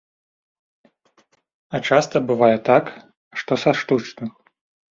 А часта бывае так, што са штучных.